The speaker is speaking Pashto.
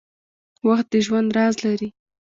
• وخت د ژوند راز لري.